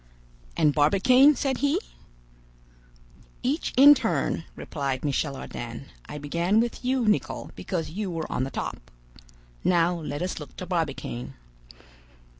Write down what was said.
"And Barbicane?" said he. "Each in turn," replied Michel Ardan. "I began with you, Nicholl, because you were on the top. Now let us look to Barbicane."